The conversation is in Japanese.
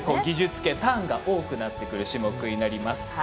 技術系、ターンが多くなってくる種目になります。